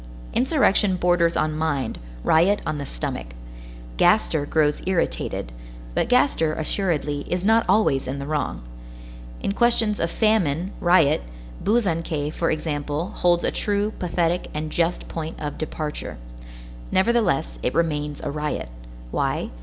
Insurrection borders on mind, riot on the stomach; Gaster grows irritated; but Gaster, assuredly, is not always in the wrong. In questions of famine, riot, Buzançais, for example, holds a true, pathetic, and just point of departure. Nevertheless, it remains a riot. Why?